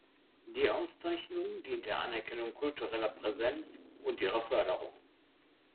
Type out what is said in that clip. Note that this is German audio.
Die Auszeichnung dient der Anerkennung kultureller Präsenz und ihrer Förderung.